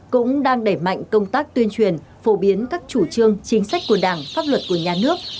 cũng đang đẩy mạnh công tác tuyên truyền phổ biến các chủ trương chính sách của đảng pháp luật của nhà nước